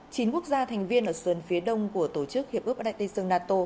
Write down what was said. chính quốc gia thành viên ở sườn phía đông của tổ chức hiệp ước đại tây sương nato